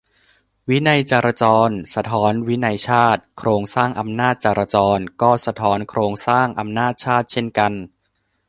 "วินัยจราจร สะท้อนวินัยชาติ" ? โครงสร้างอำนาจจราจร ก็สะท้อนโครงสร้างอำนาจชาติ เช่นกัน ?